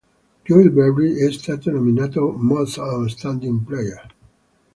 Joel Berry è stato nominato Most Outstanding Player.